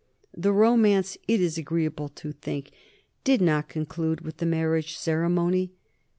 The romance, it is agreeable to think, did not conclude with the marriage ceremony.